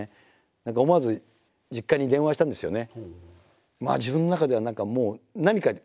何か思わず実家に電話したんですよね。